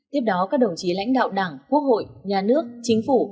tiếp đó các đồng chí lãnh đạo đảng quốc hội nhà nước chính phủ